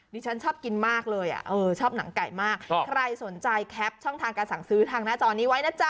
ฉันชอบกินมากเลยชอบหนังไก่มากใครสนใจแคปช่องทางการสั่งซื้อทางหน้าจอนี้ไว้นะจ๊